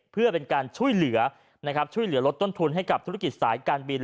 เพื่อเป็นการช่วยเหลือลดต้นทุนให้กับธุรกิจสายการบิน